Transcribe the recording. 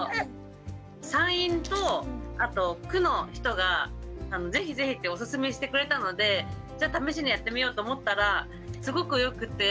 産院とあと区の人が是非是非っておすすめしてくれたのでじゃあ試しにやってみようと思ったらすごくよくて。